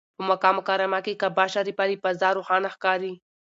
په مکه مکرمه کې کعبه شریفه له فضا روښانه ښکاري.